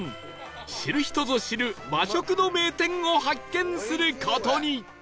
知る人ぞ知る和食の名店を発見する事に